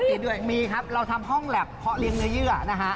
ดีด้วยมีครับเราทำห้องแล็บเพาะเลี้ยงเนื้อเยื่อนะฮะ